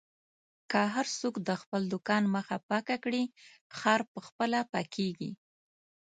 که هر څوک د خپل دوکان مخه پاکه کړي، ښار په خپله پاکېږي.